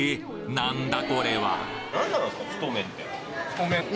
何だこれは！？